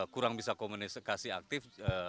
kurang bisa komunikasi aktif